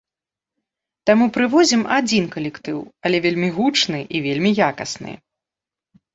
Таму прывозім адзін калектыў, але вельмі гучны і вельмі якасны.